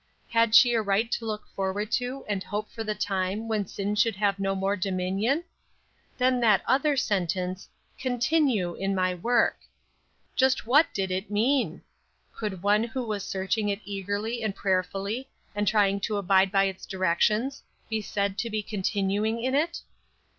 Had she a right to look forward to and hope for the time when sin should have no more dominion? Then that other sentence: "Continue in my work." Just what did it mean? Could one who was searching it eagerly and prayerfully, and trying to abide by its directions, be said to be continuing in it?